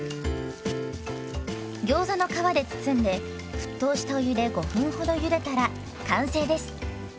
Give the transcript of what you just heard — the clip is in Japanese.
ギョーザの皮で包んで沸騰したお湯で５分ほどゆでたら完成です。